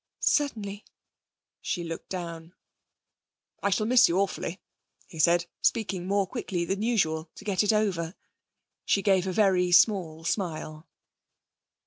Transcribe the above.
'Certainly.' She looked down. 'I shall miss you awfully,' he said, speaking more quickly than usual to get it over. She gave a very small smile.